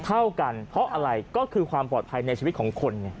เท่ากันเพราะอะไรก็คือความปลอดภัยในชีวิตของคนไง